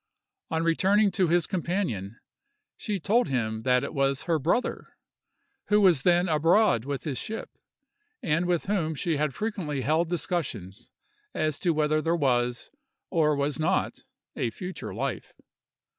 On returning to his companion, she told him that it was her brother, who was then abroad with his ship, and with whom she had frequently held discussions as to whether there was or was not a future life.